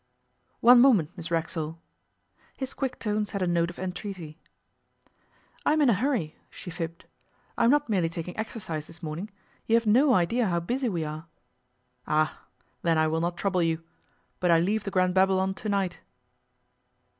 'One moment, Miss Racksole.' His quick tones had a note of entreaty. 'I am in a hurry,' she fibbed; 'I am not merely taking exercise this morning. You have no idea how busy we are.' 'Ah! then I will not trouble you. But I leave the Grand Babylon to night.